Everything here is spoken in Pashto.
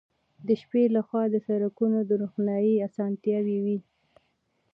د شپې له خوا د سړکونو د روښنايي اسانتیاوې وې